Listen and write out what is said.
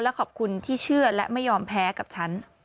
และขอบคุณที่เชื่อและไม่ยอมแพ้กับฉัน